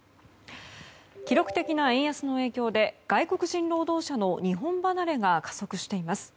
記録的な円安の影響で外国人労働者の日本離れが加速しています。